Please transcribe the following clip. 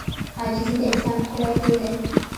• عاجزي د انسان ښکلی خوی دی.